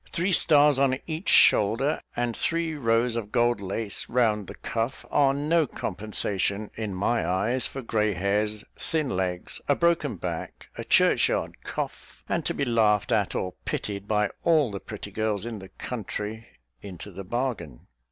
Three stars on each shoulder, and three rows of gold lace round the cuff, are no compensation, in my eyes, for grey hairs, thin legs, a broken back, a church yard cough, and to be laughed at or pitied by all the pretty girls in the country into the bargain."